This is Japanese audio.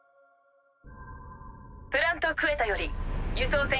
プラント・クエタより輸送船